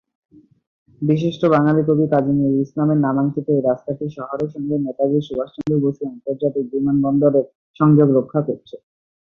বিশিষ্ট বাঙালি কবি কাজী নজরুল ইসলামের নামাঙ্কিত এই রাস্তাটি শহরের সঙ্গে নেতাজি সুভাষচন্দ্র বসু আন্তর্জাতিক বিমানবন্দরের সংযোগ রক্ষা করছে।